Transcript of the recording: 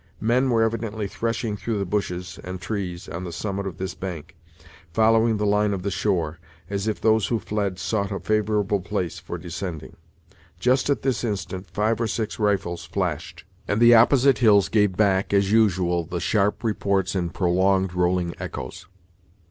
Men were evidently threshing through the bushes and trees on the summit of this bank, following the line of the shore, as if those who fled sought a favorable place for descending. Just at this instant five or six rifles flashed, and the opposite hills gave back, as usual, the sharp reports in prolonged rolling echoes.